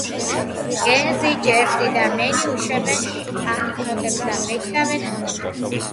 გერნზი, ჯერზი და მენი უშვებენ ბანკნოტებს და ბეჭდავენ მონეტებს.